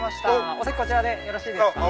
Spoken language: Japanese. こちらでよろしいですか？